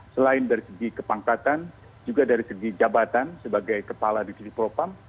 selain dari segi kepangkatan juga dari segi jabatan sebagai kepala divisi propam